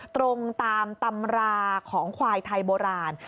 ตรงตามตำราของควายไทยโบราณ